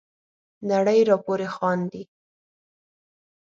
نړۍ را پوري خاندي.